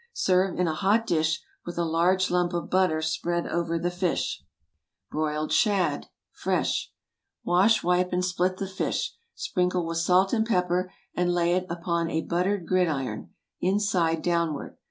Serve in a hot dish, with a large lump of butter spread over the fish. BROILED SHAD. (Fresh.) ✠ Wash, wipe, and split the fish. Sprinkle with salt and pepper, and lay it upon a buttered gridiron, inside downward.